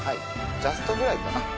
ジャストぐらいかな。